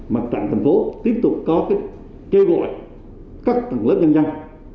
mặt trận thành phố tiếp tục có kêu gọi các tầng lớp nhân dân